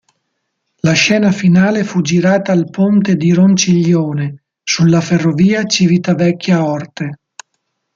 La scena finale fu girata al ponte di Ronciglione, sulla ferrovia Civitavecchia-Orte.